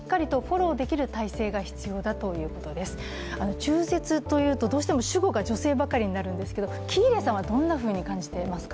中絶というとどうしても主語が女性ばかりになるんですけど喜入さんはどんなふうに感じていますか？